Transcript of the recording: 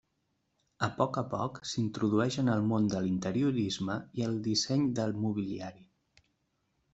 A poc a poc s'introdueix en el món de l'interiorisme i el disseny de mobiliari.